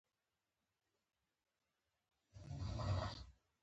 دوی سابقه او تېره کړې موده مهمه ده.